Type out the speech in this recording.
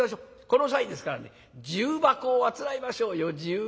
この際ですからね重箱をあつらえましょうよ重箱。